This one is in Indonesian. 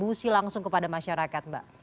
mengusi langsung kepada masyarakat mbak